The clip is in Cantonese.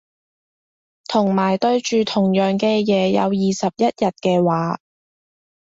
同埋對住同樣嘅嘢有二十一日嘅話